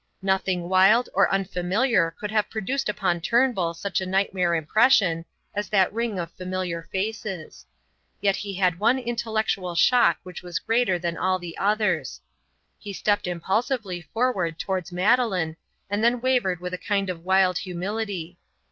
Nothing wild or unfamiliar could have produced upon Turnbull such a nightmare impression as that ring of familiar faces. Yet he had one intellectual shock which was greater than all the others. He stepped impulsively forward towards Madeleine, and then wavered with a kind of wild humility.